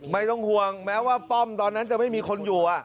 ไม่ต้องห่วงแม้ว่าป้อมตอนนั้นจะไม่มีคนอยู่